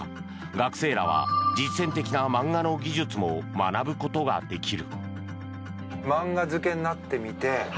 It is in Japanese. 学生らは実践的な漫画の技術も学ぶことができる。